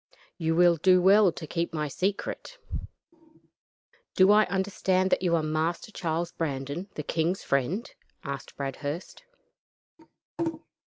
You will do well to keep my secret." "Do I understand that you are Master Charles Brandon, the king's friend?" asked Bradhurst.